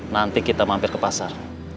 nanti kita mampir ke pasar